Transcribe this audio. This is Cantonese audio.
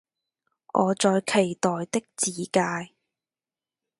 我在期待的自介